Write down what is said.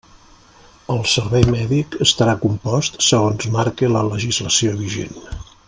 El servei mèdic estarà compost segons marque la legislació vigent.